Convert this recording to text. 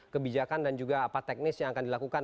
kebijakan dan juga apa teknis yang akan dilakukan